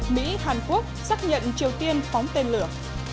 mỹ hàn quốc xác nhận triều tiên phóng tên lửa